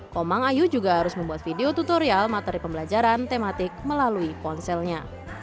komang ayu juga harus membuat video tutorial materi pembelajaran tematik melalui ponselnya